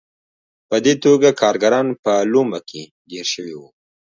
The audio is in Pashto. په دې توګه کارګران په لومه کې ګیر شوي وو.